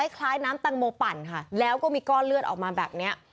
คล้ายน้ำตังโมปั่นค่ะแล้วก็มีก้อนเลือดออกมาแบบนี้